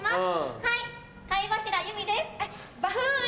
はい！